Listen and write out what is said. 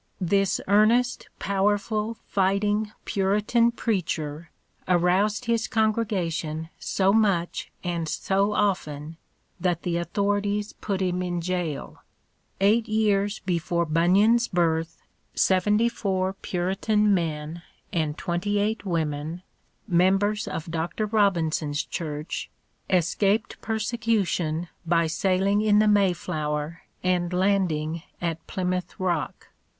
This earnest, powerful, fighting Puritan preacher aroused his congregation so much and so often that the authorities put him in jail. Eight years before Bunyan's birth 74 Puritan men and 28 women, members of Dr. Robinson's church, escaped persecution by sailing in the Mayflower and landing at Plymouth Rock.